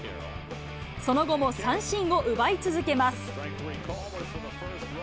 その後も三振を奪い続けます。